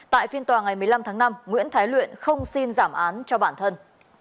tại phiên tòa ngày một mươi năm tháng năm nguyễn thái luyện không xin giảm án cho bản thân